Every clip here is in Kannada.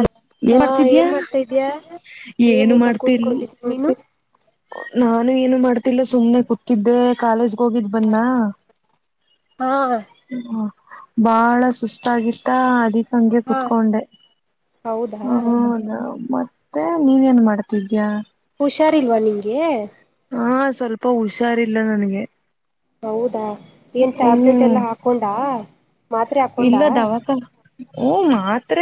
ಅ ಹ ಮಾಡ್ತಿದ್ಯಾ ಏನ್ ಮಾಡ್ತಾ ಇದ್ಯಾ ಏನು ಏನ್ಲ್ಲ ಮಾಡ್ತಿಲ್ ಕೂತ್ಕೊಂಡಿದೀಿ ನೀನು ನಾನು ಏನು ಮಾಡ್ತಿಲ್ಲ ಸುಮ್ನೆ ಕೂತಿದ್ದೆ ಕಾಲೇಜ್ ಹೋಗಿದ್ ಬಂದ ಹಾ ಬಾಳ ಸುಸ್ತಾಗಿತ್ತ ಅದಿ ಹಂಗೆ ಹಾ ಕುೂತ್ಕೊಂಡೆ ಹೌದಾ ಹ ಮ ಮತ್ತೆ ನೀನ್ೇನ್ ಮಾಡ್ತಿದ್ಯಾ ಸರಿಲ್ವಾ ನಿಗೆ ಹಾ ಸ್ವಲ್ಪ ಹುಷಾರಿಲ್ಲ ನನ್ಗೆ ಹೌದಾ ಏನ್ ಟ್ಯಾಬ್ಲೆಟ್ ಹ್ಮ್ ಎಲ್ಲ ಹಾಕೊಂಡಾ ಮಾತ್ರೆ ಇಲ್ಲ ಹಾಕೊಂಡಾ ದವಕ ಓ ಮಾತ್ರ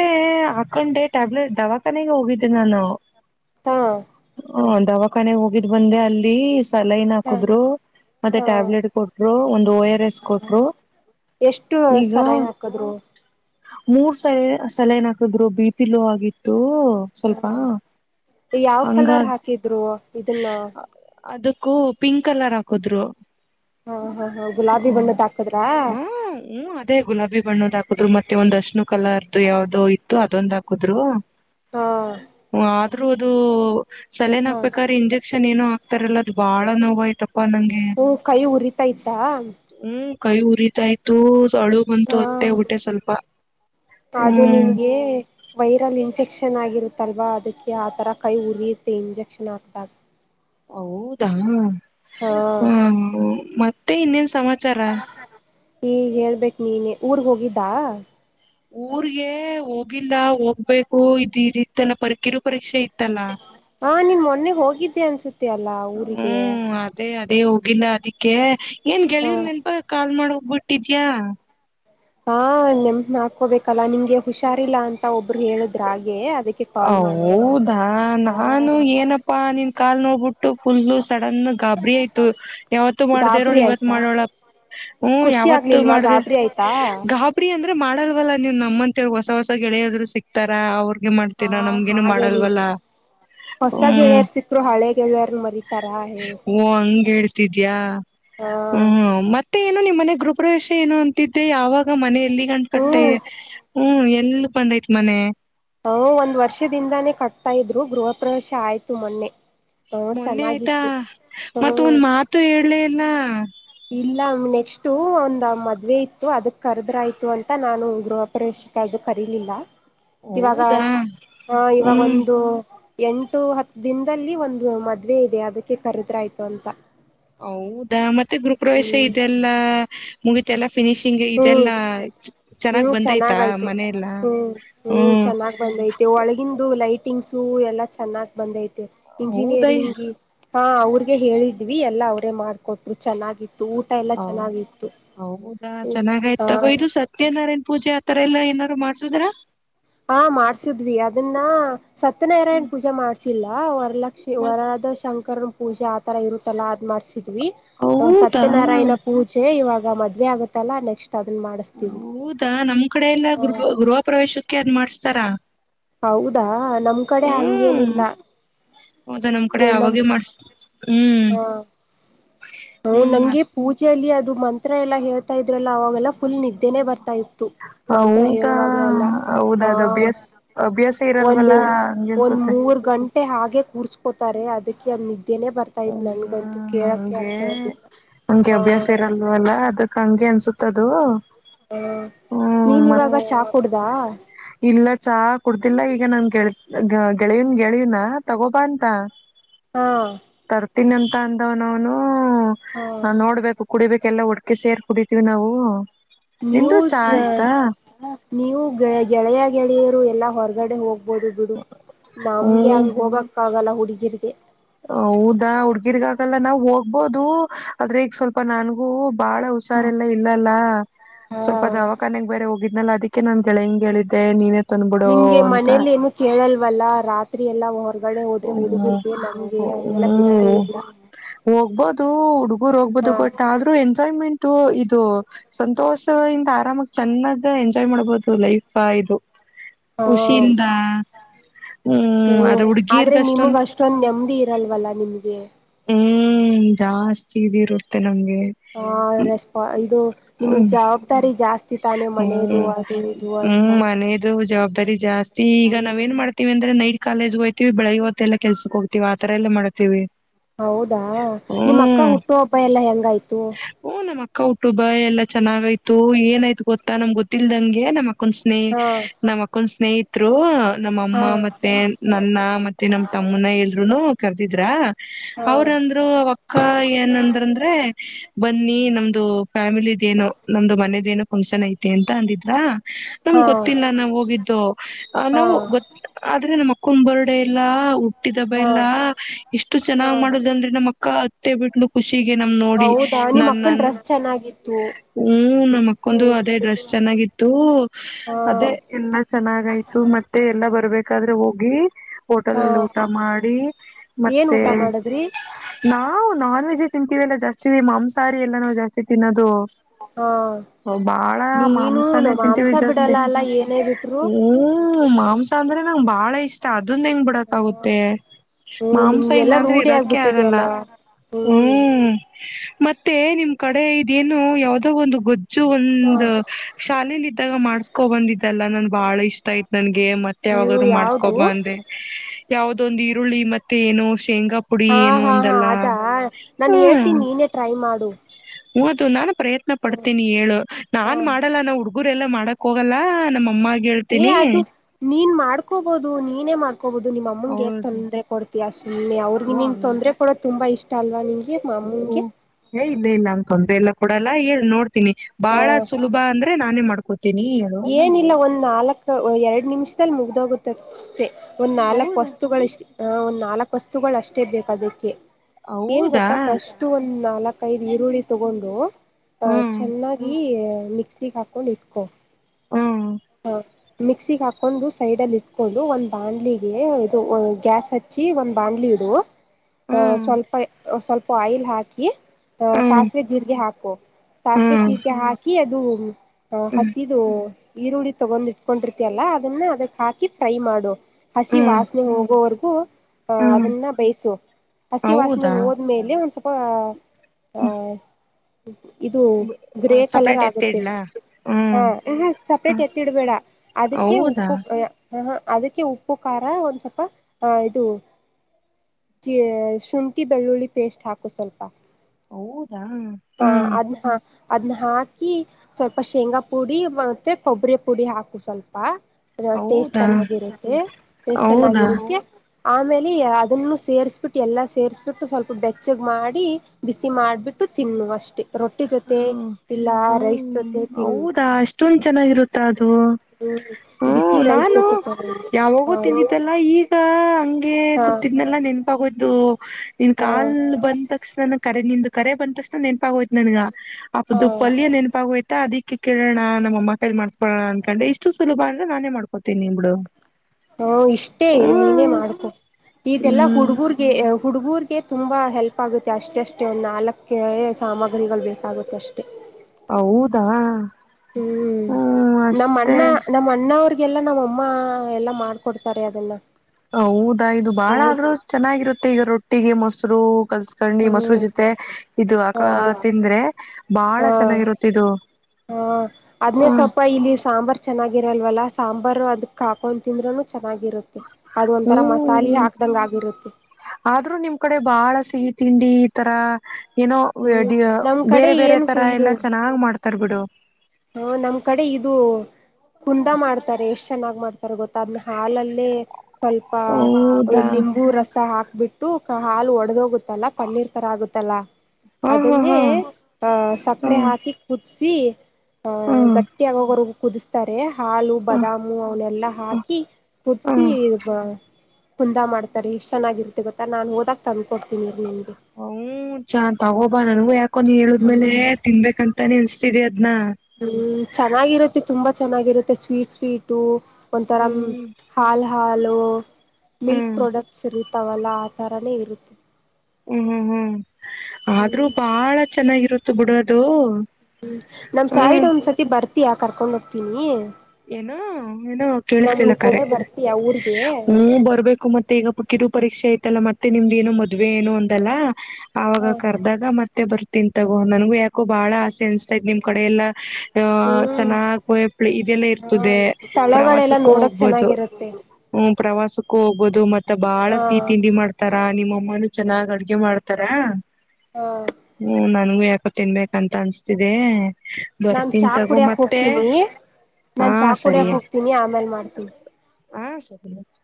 ಹಾಕೊಂಡೆ ಟ್ಯಾಬ್ಲೆಟ್ ದವಾಖಾನೆಗೆ ಹೋಗಿದ್ದೆ ನಾನು ಹಾ ಹ ದವಾಖಾನೆ ಹೋಗಿದ್ ಬಂದೆ ಅಲ್ಲಿ ಸಲೈನ್ ಹ ಹಾಕುದ್ರು ಮತ್ತೆ ಹಾ ಟ್ಯಾಬ್ಲೆಟ್ ಕೊಟ್ರು ಒಂದು ಓ ಆರ್ ಎಸ್ ಕೊಟ್ರು ಎಷ್ಟು ಈಗ ಸಲ ಹಾಕದ್ರು ಮೂರ್ ಸಲ ಏನೋ ಹಾಕಿದ್ರು ಬಿಪಿ ಲೋ ಆಗಿತ್ತು [unintelligible] ಸ್ವಲ್ಪ ಯಾವ ಹಂಗ ಕಲರ್ ಹಾಕಿದ್ರು ಇದನ್ನ ಅದಕ್ಕೂ ಪಿಂಕ್ ಕಲರ್ ಹಾಕದ್ರು ಹಾ ಹಾ ಹಾ ಗುಲಾಬಿ ಬಣ್ಣದ್ದ ಹಾಕದ್ರ ಹ್ಮ ಅದೇ ಗುಲಾಬಿ ಬಣ್ಣದ ಹಾಕಿದ್ರು ಮತ್ತೆ ಒಂದ್ ಅಶ್ಣು ಕಲರ್ದು ಯಾವವುದೋ ಇತ್ತು ಅದೊಂದ್ ಹಾಕಿದ್ರು ಹಾ ಆದ್ರೂ ಅದು [unintelligible] ಹಾ ಹಾಕಬೇಕಾದರೆ ಇಂಜೆಕ್ಷನ್ ಏನೋ [unintelligible] ಅದು ಬಾಳ ನೋವಾಯ್ತಪ್ಪಾ ನಂಗೆ ಹ್ಮ ಕೈ ಉರಿತಾ ಇತ್ತಾ ಹ್ಮ ಕೈ ಉರಿತಾಯಯ್ತು ಆಳು ಬಂತು ಅತ್ತೆ ಹಾ ಬುಟ್ಟೇ ಸ್ವಲ್ಪ ಅದು ಹ್ಮ ಚೆನ್ನಾಗಿರುತ್ತಲ್ವಾ ಅದಕ್ಕೆ ಆ ಥರ ಕೈ ಉರಿಯುತ್ತೆ ಇಂಜೆಕ್ಷನ್ ಹಾಕ್ದಾಗ ಹೌದಾ ಹ ಹಾ ಮತ್ತೆ ಇನ್ನೇನು ಈ ಹೇಳ್ಬೇಕ ನೀನೆ ಊರ್ ಹೋಗಿದ್ದಾ ಊರ್ಗೆ ಹೋಗಿಲ್ಲ ಹೋಗ್ಬೇಕು [unintelligible] ಕಿರು ಪರೀಕ್ಷೆ ಇತ್ತಲ್ಲ. ಹಾ ನಿನ್ ಮೊನ್ನೆ ಹೋಗಿದ್ದೆ ಅನ್ಸುತ್ತೆ ಅಲ್ಲ ಊರಿಗೆ ಹ್ಮ್ ಅದೇ ಅದೇ ಹೋಗಿಲ್ಲ ಅದಿಕ್ಕೆ ಏನ್ ಹ ಗೆಳೆಯರ್ ನೆನಪಾ ಕಾಲ್ ಮಾಡ ಹೋಗ್ಬಿಟ್ಟಿದ್ಯಾ ಹಾ ನೆನಪು ಮಾಡ್ಕೋಬೇಕಲ್ಲ ನಿಂಗೆ ಹುಷಾರಿಲ್ಲಾ ಅಂತ ಒಬ್ಬ. ಹ ಹೌದಾ ಹಾ ನಾನು ಏನಪ್ಪಾ ನಿನ್ ಕಾಲ್ ನೋ. ಫುಲ್ ಸಡನ್ ಗಾಬರಿ ಆಯ್ತು ಯಾವತ್ತು ಮಾಡ್ದ ಗಾಬರಿ ಇರೋಳು ಇವತ್ ಆಯ್ತಾ ಮಾಡೋಳ. ಹ್ಮ ಖುಷಿ ಯಾವತ್ತು ಆಗ್ಲಿಲ್ವಾ ಮಾಡ್ರ ಗಾಬರಿ ಆಯ್ತಾ ಗಾಬರಿ ಅಂದ್ರ. ಮಾಡಲ್ವಲ್ಲ ನೀವ್ ನಮ್ಮಂತವ ಹೊಸ ಹೊಸ ಗೆಳೆಯಾದ್ರು ಸಿಕ್ತಾರ ಅವ್ರರು. ಹಾ ಮಾಡ್ತೀರಾ ನಮ್ಗೇನು ಹಾಗೇನಿಲ್ಲ ಮಾಡಲ್ವಲ್ಲ. ಹೊಸ ಹ್ಮ ಗೆಳೆಯರ್ ಸಿಕ್ಕರು ಹಳೆ ಗೆಳೆಯರ್ ಮರಿತಾರಾ ಹೇಳು ಓ ಹಂಗ ಹೇಳ್ತಿದಿಯ. ಹಾ ಹ್ಮ ಮತ್ತೆ ಏನು ನಿಮ್ಮನೆ. ಗೃಹಪ್ರವೇಶ ಏನು ಅಂತಿದ್ದೆ ಯಾವಾಗ ಮನೆಯಲ್ಲಿ ಗಂಡ್ಕಟ್ಟೆ ಹ್ಮ್ ಹ್ಮ್ ಎಲ್ಲಿ ಬಂದೈತಿ. ಮನೆ. ಹ ಒಂದ್ ವರ್ಷದಿಂದಾನೇ ಕಟ್ತಾ ಇದ್ರು ಗೃಹ ಪ್ರ್ರವೇಶ ಆಯ್ತು ಮೊನ್ನೆ. ಹ ಮೊನ್ನೆ ಆಯ್ತಾ ಚೆನ್ನಾಗಿತ್ತು ಮತ್ತ ಹ್ಮ್ ಒಂದ ಮಾತು ಹೇಳಿಲಾ. ಇಲ್ಲ ನೆಕ್ಸಟ್ ಒಂದ ಮದ್ವೆ ಇತ್ತು ಅದಕ್ ಕರ್ದ್ರಾಯ್ತು ಅಂತ ನಾನು ಗೃಹಪ್ರವೇಶ್. [unintelligible] ಕರೀಲಿಲ್ಲ ಇವಾಗ ಹೌದಾ ಹ್ಮ್ ಇವಾಗೊಂದು ಎಂಟು ಹತ್ತು ದಿನದಲ್ಲಿ ಒಂದು ಮದ್ವೆ ಇದೆ ಅದಕ್ಕೆ ಕರೆದ್ರೆ ಆಯ್ತು ಅಂತ ಹೌದಾ ಮತ್ತೆ ಗುರುಪ್ರವೇಶ ಹ್ಮ್ ಇದೆಲ್ಲಾ ಮುಗಿತೆಲ್ಲಾ. ಫಿನಿಶಿಂಗ್ ಇದೆಲ್ಲಾ ಹ್ಮ್ ಚೆನ್ನಾಗ್ ಹ್ಮ್ ಬಂದೈತಾ ಚೆನ್ನಾಗಾಯ್ತು ಮನೆಯಲ್ಲಾ ಹ್ಮ. ಐತೆ ಒಳಗಿಂದು ಲೈಟಿಂಗ್ಸು ಎಲ್ಲಾ ಚೆನ್ನಾಗಿ ಬಂದೈತೆ ಹೌದಯ ಇಂಜಿನಿಯರಿಂಗ್ ಹಾ ಅವ್ರಿಗೆ ಹೇಳಿದ್ವಿ ಎಲ್ಲಾ ಅವ್ರೇ ಮಾಡ್ಕೊಟ್ರು ಚೆನ್ನಾಗಿತ್ತು. ಊಟ ಎಲ್ಲ ಚೆನ್ನಾಗಿತ್ತು. ಚೆನ್ನಾಗ ಆಯ್ತ್ ಹ ತೊಗೋ ಇದು ಸತ್ಯನಾರಾಯಣ್ ಪೂಜೆ ಆತರ ಎಲ್ಲಾ ಏನಾದಾರು ಮಾಡ್ಸದ್ರ? ಹಾ ಮಾಡ್ಸಿದ್ವಿ ಅದನ್ನ ಸತ್ಯನಾರಾಯಣ ಹ್ಮ್ ಪೂಜೆ ಮಾಡ್ಸಿಲ್ಲ ವರ ಲ್ಲಕ್ಷ ಮತ್ ವರದ ಶಂಕರ ಪೂಜೆ ಆತರ ಇರುತ್ತಲ್ಲಾ ಅದ್ ಮಾಡ್ಸಿ ಹೌದಾ ಸತ್ಯನಾರಾಯಣ ಪೂಜೆ ಇವಾಗ ಮದ್ವೆ ಆಗುತ್ತಲ್ಲಾ ನೆಕ್ಸ್ಟ್ ಅದನ್ನ ಮಾಡಿಸತೀವಿ ಹೌದಾ ನಮ್ ಕಡೆ ಎಲ್ಲಾ ಗೃ ಹ ಗೃಹ ಪ್ರವೇಶಕ್ಕೆ ಅದ್ ಮಾಡ್ಸ್ತಾರ. ಹೌದಾ ನಮ್ ಕಡೆ ಹಂಗೇನಿಲ್ಲ. ಹೌದಾ ನಮ್ ಕಡೆ ಆವಾಗೇ ಮಾಡಸ್ ಹ್ಮ್. ಹ ಹ್ಮ್ ನಂಗೆ ಪೂಜೆಯಲ್ಲಿ ಅದು ಮಂತ್ರ ಎಲ್ಲಾ ಹೇಳ್ತಾ ಇದ್ರಲ್ಲ ಅವಾಗೆಲ್ಲಾ ಫುಲ್ ನಿದ್ದೆನೆ ಬರ್ತಾ ಇತ್ತು ಮಂತ್ರ ಹೌದಾ ಹೇಳುವಾಗೆ ಎಲ್ಲ ಹೌದ ಆ ಅದು ಅಭ್ಯಾಸ ಅಭ್ಯಾಸ ಒಂದು ಇರಲ್ವಲ್ಲ ಹಂಗೆ ಒಂದ್ ಅನ್ಸುತ್ತೆ ಮೂರ್ ಗಂಟೆ ಹಾಗೆ ಕೂರ್ಸ್ಕೋತಾರೆ ಅದಕ್ಕೆ ಅದ್ ನಿದ್ದೆನೆ ಬರ್ತಾ ಇತ್ ಹ್ಮ್ ನನ್ಗಂತು ಕೇಳಕ್ಕೆ ಹಂಗೆ ಆಗ ಹಂಗೆ ಅಭ್ಯಾಸ ಇರಲ್ವಲ್ಲ ಅದಕ್ ಹಂಗೆ ಅನ್ಸುತ್ತದು. ಹ್ಮ ನೀನ್ ಇವಾಗ ಮತ್ ಚಾ ಕುಡ್ದಾ ಇಲ್ಲ ಚಾ ಕುಡ್ದ ಗೊತ್ತಿಲ್ಲ ಈಗ ನನ್ ಗೆಳತಿ ಗ ಗೆಳೆಯನ್ ಗೆಳ್ಯನಾ ತಗೋಬಾ ಅಂತ. ಹಾ ತೀನಿ ಅಂತ ಅಂದವ್ನಾವನು ಹಾ ನೋಡ್ಬೇಕು ಕುಡಿಬೇಕೆಲ್ಲ ಒಡ್ಕೆ ಸೇರ್ ಕುಡಿತೀವಿ ನಾವು ನೀವು ನಿಂದು ಚಾ ಆಯ್ತಾ ನೀವು ಗೆಳೆಯ ಗೆಳೆಯರು ಎಲ್ಲಾ ಹೊರಗಡೆ ಹೋಗ್ ಆಗಬೋದು ಬಿಡು ನಮ್ಗೆ ಹ್ಮ್ ಹಂಗ್ ಹೋಗಕ್ಕ ಆಗಲ್ಲ ಹುಡುಗಿರಿಗೆ ಹೌದಾ ಹುಡ್ಗಿದಗಾಗಲ್ಲ ನಾವವು ಹೋಗ್ಬೋದು ಆದದ್ರೆ ಈಗ ಸ್ವಲ್ಪ ನನ್ಗೂ ಬಾಳ ಹುಷಾರಲ್ಲ ಇಲ್ಲಲ್ಲ ಹಾ ಸ್ವಲ್ಪ ಅದು ಅವಖಾನೆಗೆ ಬೇರೆ ಹೋಗಿದ ಅನಲ್ಲ ಅದಕ್ಕೆ ನಾನ ಗೆಳೆಯನ ಗೆ ಹೇಳಿದ್ದೆ ನೀ ನಿಂಗೆ ಮನೇಲಿ ಏನು ಕೇಳಲ್ವಲ್ಲಾ ರಾತ್ರಿ ಎಲ್ಲಾ ಹೊರಗಡೆ ಹೋದ್ರೆ ಹ್ಮ ಹುಡುಗರ್ಗೆ ನವ್ಗೆ ಅವಗೆಲ್ಲ ಬಿಡತೆ ಹ್ಮ್ ಇಲ್ಲ ಹೋಗ್ಬೋದು ಹುಡ್ಗುರು ಹೋಗ್ಬೋದು ಬಟ್ ಆದ್ರೂ ಎಂಜಾಯ್ಮೆಂಟ್ ಇದು ಸಂತೋಷ ಇಂದ ಆರಾಮಾಗ ಚೆನ್ನಾಗ ಎಂಜಾಯ್ ಮಾಡ್ಬಹದು ಲೈಫ್ ಇದು ಹಾ ಖುಷಿಯಿಂದ ಹ್ಮ್ ಅದ ಉಡಿ ಆದ್ರೆ ನಿಮಗ್ ಅಷ್ಟೊಂದ್ ನೆಮ್ಮದಿ ಇರಲ್ವಲ್ಲ ನಿಮ್ಗೆ ಹ್ಮ್ ಜಾಸ್ತಿ ಇದಿ ಇರುತ್ತೆ ನಮಗೆ ಹಾ ರೆಸ್ಪಾ ಇದು ನಿಮಗ್ ಹ್ಮ್ ಜವಾಬ್ದಾರಿ ಅ ತಾನೆ ಮನೆಯದು ಅದು ಇದು ಹ್ಮ್ ಅಂತ ಮನೇದು ಜವಾಬ್ದಾರಿ ಜಾಸ್ತಿ ಈಗ ನಾವ ನ್ ಮಾಡ್ತೀವಿ ಅಂದ್ರೆ ನೈಟ್ ಕಾಲೇಜ್ ಹೋಗ್ತತಿವಿ ಬೆಳಗ್ ಹೊತ್ತ ಎಲ್ಲ ಕೆಲ್ಸಕ್ ಹೋಗ್ತಿವಿ ಆ ತರ ಎಲ್ಲ ಮಾಡ್ತೀವಿ ಹೌದಾ ನಿಮ್ಮ ಅಕ್ಕ ಹ್ಮ್ ಹುಟ್ಟು ಹಬ್ಬ ಎಲ್ಲಾ ಹೆಂಗಾಯ್ತು ಕೌಟುಂಬ ಎಲ್ಲಾ ಚೆನ್ನಾಗಾಯ್ತು ಏನಾಯ್ತು ಗೊತ್ತಾ ನಮ್ ಗೊತ್ತಿಲ್ದಂಗೆ ನಮ್ಮಕ್ಕ ಅಕ್ಕಂದ ಸ್ನೇಹಿ ಹಾ ನಮ್ಮ್ ಅಕ್ಕಂದ ಸ್ನೇಹಿತರು ನಮ್ಮಮ್ಮ ಹಾ ಮತ್ತೆ ನನ್ನ ಮತ್ತೆ ನಮ್ ತಮ್ಮನ ಎಲ್ರುೂನು ಕರ್ದಿದ್ರ ಹಾ ಅವ್ರಂದ್ರು ಆವಕಅಕ್ಕ ಏನಂದ್ರಂದ್ರೆ ಬನ್ನಿ ನಮ್ದು ಫ್ಯಾಮಿಲಿಿದಏನೋ ನಮ್ದು ಮನದೇಏನೋ ಫಂಕ್ಷನ್ ಐತೆ ಅಂತ ಅಂದಿದ್ರಾ ನಮ್ ಹಾ ಗೊತ್ತಿಲ್ಲ ನಾವ್ ಹೋಗಿದ್ದು ಹಾ ನಾವು ಗೊ ಆದ್ರೆ ನಮ್ಮ ಹಕಂಬರ್ಡೆ ಎಲ್ಲಾ ಹುಟ್ಟಿದಬ ಹಾ ಎಲ್ಲಾ ಎಷ್ಟು ಹಾ ಚೆನ್ನಾಗ್ ಮಾಡುದಂದ್ರೆ ನಮ್ಮಕ್ಕ ಮತ್ತೆ ಬಿಟ್ಟು ಖುಷಿಗೆ ನಮ ನೋಡಿ ಹೌದಾ ನಿಮ್ ನನ್ನ ಅಕ್ಕನ್ ನನ್ ಡ್ರೆಸ್ ಚೆನ್ನಾಗಿತ್ತು ಹ್ಮ ನಮ್ಮ - ಹ್ಮ್ ಅದೇ ಡ್ರೆಸ್ ಚೆನ್ನಾಗಿತ್ತು ಹಾ ಅದೇ ಎಲ್ಲಾ ಚೆನ್ನಯತು ಮೆ ಬರ್ಬೇಕಾದ್ರೆ ಹೋಗಿ ಹೋಟೆಲ್ ಅಲ್ಲಿ ಹಾ ಊಟ ಮಾಡಿ ಏನ್ ಮತ್ತೆ ಊಟ ಮಾಡದ್ರಿ ನಾವು ನಾನ್ ವೆಜ್ೇ ತಿಂತೀವಿ ಎಲ್ಲ ಜಾಸ್ತಿವಿ ಮಾಂಸಾರಿ ಎಲ್ಲ ನಾವು ಜಾಸ್ತಿ ತಿನ್ನೋದು ಹಾ ಬಾಳ ಮಾಂಸನೇ ತಿಂತೀವಿ ಜಾಸ್ತಿ ಬಿಡಲ್ಲ ಅಲ್ಲ ಏನೇ ಬಿಟ್ರು ಊ ಮಾಂಸ ಅಂದ್ರ ನಂಂಗ್ ಬಾಳ ಇಷ್ಟ ಅದನ್ ಹೆಂಗ್ ಬಿಡಕ್ ಹ್ಮ ಆಾಗುತ್ತೆ ಮಾಂಸ ನಿಮ್ಗೆಲ್ಲಾ ಇಲ್ಲಾಂದ್ರೆ ರೂಢಿ ಇರೋಕೆ ಆಗಲ್ಲ ಆಗ್ಬಿಟ್ಟಿದೆಯಲ್ಲ ಹ್ಮ್ ಮತ್ತೆ ನಿಮ್ ಕಡೆ ಇದೇನು ಯಾವದೋ ಒಂದು ಗೊ್ದ್ ಹೆಚ್ಚು ಹ ಒಂದ ಶಾಲೇಲಿ ಇದಾಗ ಮಾಡ್ಸ್ಕೊ ಬಂದಿದ್ದಲ್ಲ ನನ್ ಬಹಳ ಇಷ್ಟ ಆಯ್ತು ನನ್ಗೆ ಮತ್ತೆ ಹ್ಮ್ ಯಾವಾಗಾದ್ರು ಯಾವ್ದು ಮಾಡ್ಸ್ಕೊಬ ಅಂದೆ ಯಾವ್ದ ಒಂದು ಈರುಳ್ಳಿ ಮತ್ತೆ ಏನು ಶೇಂಗಾ ಪುಡಿ ಹಾ ಏನು ಹಾ ಹಾ ಒಂದಲ್ಲ ಅದಾ ನಾನ್ ಹ್ಮ ಹೇಳ್ತೀನಿ ನೀನೇ ಟ್ರೈ ಮಾಡು ಹದು ನಾನು ಪ್ರಯತ್ನ ಪಡ್ತೇನಿ ಹೇಳು ಹ ನಾನ್ ಮಾಡಲ್ಲಾನ ಹುಡುಗ ಗುರೆ ಎಲ್ಲ ಮಾಡಕ್ ಹೋಗಲ್ಲ ನಮ್ಮ ಅಮ್ಮ ಏ ಅದು ನೀನ್ ಮಾಡ್ಕೋಬೋದು ನೀನೇ ಮಾಡ್ಕ ಹೋಬಹುದು ನಿಮ್ಮ ಅಮ್ಮನ್ಗೆ ಹೌದು ತೊಂದರೆ ಕೊಡ್ತೀಯ ಸುಮ್ಮನೆ ಅವ್ರಿಗೆ ನಿನ್ ತೊಂದರೆೆ ಕೊಡ ತುಂಬಾ ಇಷ್ಟ ಅಲ್ವಾ ನಿನ್ಗೆ ಈ ಮಾಾಮುಗೆಿ ಏ ಇಲ್ಲ ಇಲ್ಲ ಅಂತ ತೊಂದ್ರ ಎಲ್ಲ ಕೂಡಲ್ಲಿ ನೋಡ್ತೀನಿ ಬಾಳ ಹ ಸುಲಭಾ ಅಂದ್ರೆ ನಾನೇ ಮಾಡ್ಕ ಏನಿಲ್ಲ ಒಂದ್ ನಾಲ್ಕ್ ಎರಡ್ ನಿಮಿಷದಲ್ಲಿ ಮುಗ್ದೋಗುತ್ತಷ್ಟೆ ಒಂದ್ ನಾಲ್ಕ್ ಹೌದು ವಸ್ತುಗಳುಷ್ಟ ಒಂದ್ ನಾಲ್ಕಕ್ ವಸ್ತುಗಳು ಅಷ್ಟೇ ಬೇಕು ಅದಕ್ಕೆ ಏನ್ ಹೌದಾ ಗೊತ್ತಾ ಫಸ್ಟ್ ಒಂದ್ ನಾಲ್ಕ ಐದು್ ಈರುಳ್ಳಿ ತಗೊಂಡು ಅಹ ಹ್ಮ್ ಚೆನ್ನಾಗಿ ಮಿಕ್ಸಿಗೆ ಹಾಕೊಂಡ್ ಇಟ್ಕೊ ಹ್ಮ್ ಹ ಮಿಕ್ಸಿಗೆ ಹಾಕೊಂಡು ಸೈಡ ಅಲ್ಲಿ ಇಟ್ಕೊಂಡು ಒಂದ್ ಬಾಣ್ಲಿಗೆ ಇದು ಗ್ಯಾಸ್ ಹಚ್ಚಿ ಒಂದ್ ಬಾಣ್ಲಿ ಇ- ಹ್ಮ್ ಸ್ವಲ್ಪ ಸ್ವಲ್ಪ ಆಯಿಲ್ ಹಾಕಿ. ಹ್ಮ್ ಸಾಸಿವೆ ಜೀರಿಗೆ ಹಾಕು ಸಾಸಿವೆ ಹ್ಮ್ ಜೀರಿಗೆ ಹಾಕಿ ಅದು. ಆ ಹ್ಮ್ ಹಸಿದು ಈರುಳ್ಳಿ ತಗೊಂಡ್ ಇಟ್ಕೊಂಡಿರ್ತಿಯಲ್ಲ ಅದನ್ನ ಅದಕ್ ಹಾಕಿ ಫ್ರೈ ಮಾಡು. ಹಸಿ ಹ್ಮ್ ವಾಸನೆ ಹೋಗೋವರ್ಗೂ ಅಹ ಹ್ಮ್ ಅದನ್ನ ಬೇಸು. ಹಸಿ ವಾಸನೆ ಹೌದಾ ಹೋದ್ಮೇಲೆ ಒಂದು್ ಸ್ವಲ್ಪ ಆ- ಇದು ಗ್ರೇ ಕಲರ್ ಸಪ್ರೇಟ್ ಆಗುತ್ತೆ ಎತ್ತಿಡ್ಲಾ ಹ್ಮ್ ಹ- ಟ್ ಎತ್ತಿಡ್ಬೇಡ ಅದಕ್ಕೆ ಹೌದಾ ಉಪ್ಪು. ಅದಕ್ಕೆ ಉಪ್ಪು ಖಾರ ಒಂದ್ ಸ್ವಲ್ಪ ಆ ಇದು. ಜ ಶುಂಠಿ ಬೆಳ್ಳುಳ್ಳಿ ಪೇಸ್ಟ್ ಹಾಕು ಸ್ವಲ್ಪ. ಹೌದಾ ಹಾ- ಹ್ಮ್ ಅದ -ಹಾ ಅದ್ನ್ನ ಹಾಕಿ ಸ್ವಲ್ಪ ಶೇಂಗಾ ಪುಡಿ ಮತ್ತೆ ಕೊಬ್ಬರಿ ಪುಡಿ ಹಾಕು ಸ್ವಲ್ಪ. ಟೇಸ್ಟ್ ಹೌದಾ ಚೆನ್ನಾಗಿರುತ್ತೆ ಟೇಸ್ಟ್ ಹೌದಾ ಚೆನ್ನಾಗಿರುತ್ತೆ ಆಮೇಲೆ ಅದನ್ನು ಸೇರ್ಸ್ಬಿಟ್ಟು ಎಲ್ಲಾ ಸೇರ್ಸ್ಬಿಟ್ಟು ಸ್ವಲ್ಪ ಬೆಚ್ಚಗ್ ಮಾಡಿ ಬಿಸಿ ಮಾಡ್ಬಿಟ್ಟು. ತಿನ್ನು ಅಷ್ಟೆ ರೊಟ್ಟಿ ಜೊತೆ ಹ್ಮ್ ಇಲ್ಲ ರೈಸ್ ಹ್ಮ್ ಜೊತೆ ತಿನ್ನು. ಹ ಹ್ಮ್ -ಹ ಬಿಸಿ ರೈಸ್ ನಾನು ಜೊತೆ ತಿನ್ನು ಯಾವಾಗೂ ತಿಂದಿದ್ದಲ್ಲ ಈಗ. ಹಾ ಹಾ ಕೂತಿದ್ನಲ್ಲಾ ನೆನ್ಪಾಗೋಯ್್ದು ನಿನ್ ಕಾಲ್ ಬಂದ ತಕ್ಷಣ. ಕರೆ ನಿಂದು ಕರೆ ಬಂದಕ್ಷಣ ನೆನಪಾಗೋಯ್ತು ನನ್ಗ ಅಪ ದು ಹಾ ಪಲ್ಯ ನೆನಪಾಗ ಹೋಯ್ತಾ ಅದಕ್ ಅಕ್ಕಿ ಕೇಳೋಣ ನಮ್ಮ ಕೈ್ ಮಾಡ್ಸ್ಕೋಣ ಅನ್ಕೊಂಡೆ ಇಷ್ಟು ಸುಲಭ ಅಂದ್ರೆ ನಾನೇ ಮಾಡ್ಕೋತೀನಿ- ಇ -ಬಿಡು. ಹ- ಇಷ್ಟೇ ನೀನೇ ಹ್ಮ್ ಮಾಡ್ಕೊ ಇದೆಲ್ಲಾ ಹುಡುಗೂರ್ಗೆ ಹುಡುಗೂರ್ಗೆ. ತುಂಬ ಹೆಲ್ಪ್ ಆಗುತ್ತೆ ಅಷ್ಟಷ್ಟೇ ಒಂದು ನಾಲ್ಕ ಸಾಮಗ್ರಿಗಳು ಬೇಕಾಗುತ್ತೆ ಅಷ್ಟೆ. ಹೌದಾ ಹ್ಮ್ ಹ್ಮ್ -ನಮ್ಮ ಅಣ್ಣ ಅಷ್ಟೇ ನಮ್ಮ ಅಣ್ಣ ಅವ್ರ ಎಲ್ಲಾ ನಮ್ಮ ಅಮ್ಮ ಎಲ್ಲಾ ಮಾಡ್ಕೊಡ್ತಾರೆ ಅದನ್ನ. ಹೌದಯದು ಬಾಳ ಆದ್ರೂ ಚೆನ್ನಾಗಿರುತ್ತೆ ಈಗ ರೊಟ್ಟಿಗೆ ಮೊಸರು. ಕಲ್ಸ್ಕೊಂಡಿ ಮೊಸರು ಹ್ಮ್ ಜೊತೆ ಇದು ಹಾ ಅಕ ತಿಂದ್ರೆ ಬಹಳ ಹಾ ಚೆನ್ನಾಗಿರುತ್ತೆ ಇದು. ಹಾ- ಅದ್ನೇ ಹ್ಮ ಸ್ವಲ್ಪ ಇಲ್ಲಿ ಸಾಂಬಾರ್ ಚೆನ್ನಾಗಿರಲ್ವಲ್ಲ ಸಾಂಬಾರು ಅದಕ್ ಕಾಕೊಂಡು ತಿಂದ್ನು ಚೆನ್ನಾಗಿರುತ್ತೆ ಅದ ಒಂಂತರ ಮಸಾಲೆ ಹ್ಮ್ ಹಾಕ್ದಂಗ ಆಗಿರುತ್ತೆ ಆದ್ರೂ ನಿಮ್ ಕಡೆ ಬಾಳ ಸಿಹಿ ತಿಂಡಿ ಈ ತರ. ಏನೋ ಹ್ಮ್ ನಮ್ ಕಡೆ ಬೇರೆ ಬೇರೆ ಏನು ತರ ಎಲ್ಲಾ ಇದು ಚೆನ್ನಾಗ್ ಮಾಡ್ತಾರ ಬಿಡು. ಹಾ -ನಮ್ ಕಡೆ ಇದು ಕುಂದ ಮಾಡ್ತಾರೆ ಎಷ್ಟ. ಚೆನ್ನಾಗ್ ಮಾಡ್ತಾರೆ ಗೊತ್ತ ಅದ್ನ್ನ ಹಾಲಲ್ಲೇ ಸ್ವಲ್ಪ ಹೌದಾ ಲಿಂಬು ರಸ ಹಾಕ್ಬಿಟ್ಟ. ಹಾಲು ಒಡೆದೋಗುತ್ತಲ್ಲ ಪನ್ನೀರ್ ತರ ಆಗುತ್ತಲ್ಲಾ. ಹ ಹಾ ಅದನ್ನೇ ಹಾ ಅಹ ಸಕ್ಕರೆ ಹ್ಮ್ ಹಾಕಿ ಕುದಸಿಸಿ. ಆಹ ಹ್ಮ್ ಗಟ್ಟಿಯಗವರೆಗೂ ಕುದಿಸ್ತಾರೆ. ಹಾಲು ಹ್ಮ್ ಬಾದಾಮು ಅವನ್ನಲ್ಲ ಹಾಕಿ ಕುದಿಸಿ. ಹ್ಮ್ ಕುಂದಾ್ತಾರೆ ಎಷ್ಟು ಚೆನ್ನಾಗಿರ್ತೆ ಗೊತ್ತ ನನ್ ಓದಕ್ ತಂದ್ಕೊ. ಹ -ಚಂತಗಬ ನಾನ ಯ. ಡ ಹ್ಮ್ -ಹೇಳಿದ್ಮೇಲೆ ತಿನ್ಬೇಕಂತೆನ್ಸ್ತಿದೆ -ಅ- ಹ್ಮ್- ಚೆನ್ನಾಗಿರತ್ತೆ ತುಂಬಾ ಚೆನ್ನಾಗಿರುತ್ತೆ ಸ್ವೀಟ್ ಸ್ವೀಟು. ಒಂಥರ ಹ್ಮ್ ಹಾಲು ಹಾಲು ಮಿಲ್ಕ್ ಹ್ಮ್ ಪ್ರಾಡಕ್ಟ್ಸ್ ಇತಿ. ತವಲ್ಲ- ಆ -ಥರನೇ ಇರುತ್ತೆ. ಹ್ಮ್- ಹ್ಮ್ -ಹ್ಮ್ -ಆದ್ರೂ ಬಾಳ ಚೆನ್ನಾಗಿರುತ್ತ ಬಿಡೋದು. ಹ್ಮ್- ನಮ್ ಹ್ಮ್ ಸಾಯಿಡ್ ಒಂದ್ಸತಿ ಬರ್ತಯಾ ಕರ್ಕೊಂಡ್ ಹೋಗತೀನಿ. ಏನೋ ಅವ ಏನೋ ಕೇಳಿಸ್ತಿಲ್ಲ ಕರೆ. ಕಡೆ ಬರ್ತೀಯ ಊರ್ಗೆ ಹ್ಮ್ -ಬರ್ಬೇಕು ಮತ್ತೆ ಈಗ ಕಿರು ಪರೀಕ್ಷೆ ಐ್ಲ್ಲ ಮತ್ತೆ. ಮತ್ತೆ ನಿಮ್ದೇನೋ ಮದ್ವೆ ಏನು ಅಂದಲ್ಲ ಆವಾಗ ಕರ್ದಾಗ ಮತ್ತೆ ಬರ್. ತಿಂತಗೋ ನನ್ಗೂ ಯಾಕೋ ಬಾಳ ಆಸೆ ಅನ್ಸ್ತಾ ಇದ್ ನಿಮ್ ಕಡೆ ಎಲ್ಲಾ. ಹಾ ಹ್ಮ್ ಚೆನ್ನಾಗಿ [unintelligible] ಇದೀನಿ ಹಾ [unintelligible] ಸ್ಥಳಗಳೆಲ್ಲಾ ಪ್ರವಾಸಕ್ಕೂ ನೋಡಕ್ ಹೋಗ್ಬಹದು ಚೆನ್ನಾಗಿರುತ್ತೆ ಪ್ರವಾಸಕ್ಕೂ ಹೋಗ್ಬಹದು ಮತ್ತೆ ಬಹಳ ಹಾ ಸೀ ತಿಂಡಿ ಮಾಡ್ತಾರ. ನಿಮ್ಮಮ್ಮೂ ಚೆನ್ನಾಗ್ ಅಡ್ಗೆ ಮಾಡ್ತಾರ ಹ ಹಾ ನನ್ಗೂ ಯಾಕ ತಿನ್ಬೇಕಂತ ಅನ್ಸ್ತಿದೆ ನಾನ್ ಬರ್ತಿನ್ ಚಾ ತಗೋ ಕುಡಿಯಕ್ ಮತ್ತೆ ಹೋಗ್ತೀನಿ ಹಾ ನಾನ್ ಚಾ ಸರಿ ಕುಡಿಯಕ್ ಹೋಗ್ತೀನಿ ಆಮೇಲ್ ಮಾಡ್ತೀನಿ. ಹಾ ಸರಿ ಅಯ್ತು